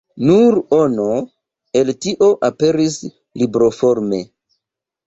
Nur ono el tio aperis libroforme.